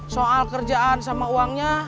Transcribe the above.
soal kerjaan sama uangnya